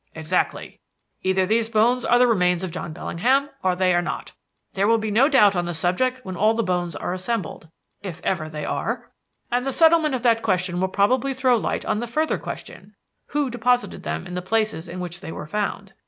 "Exactly. Either these bones are the remains of John Bellingham or they are not. There will be no doubt on the subject when all the bones are assembled if ever they are. And the settlement of that question will probably throw light on the further question: Who deposited them in the places in which they were found?